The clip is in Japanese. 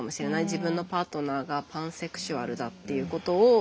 自分のパートナーがパンセクシュアルだっていうことを。